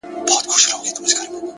هوډ د شکونو شور خاموشوي؛